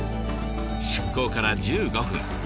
出航から１５分。